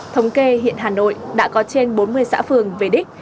thống kê hiện hà nội đã có trên bốn mươi xã phường về đích